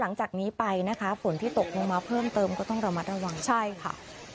หลังจากนี้ไปนะคะฝนที่ตกลงมาเพิ่มเติมก็ต้องระมัดระวังใช่ค่ะ